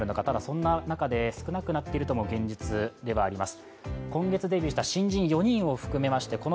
そんな中で少なくなっている現実ではあります。